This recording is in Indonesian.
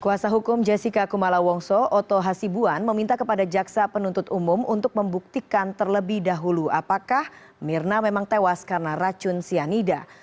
kuasa hukum jessica kumala wongso oto hasibuan meminta kepada jaksa penuntut umum untuk membuktikan terlebih dahulu apakah mirna memang tewas karena racun cyanida